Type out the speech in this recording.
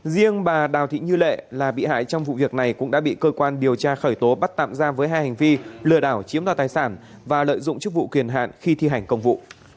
riêng bà đào thị như lệ là bị hại trong vụ việc này cũng đã bị cơ quan điều tra khởi tố bắt tạm ra với hai hành vi lừa đảo chiếm đoạt tài sản và lợi dụng chức vụ kiền hạn khi thi hành công vụ